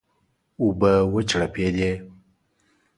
اوبه وچړپېدې.